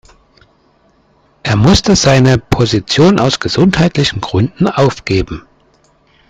Er musste seine Position aus gesundheitlichen Gründen aufgeben.